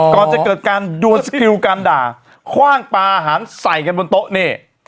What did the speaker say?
ก่อนจะเกิดการดวนสกิลการด่าคว่างปลาอาหารใส่กันบนโต๊ะนี่